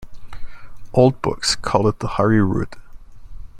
Old books call it the Hari Rud.